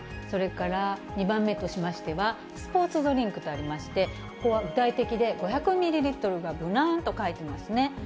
それから２番目としましては、スポーツドリンクとありまして、ここは具体的で、５００ミリリットルが無難と書いてますね。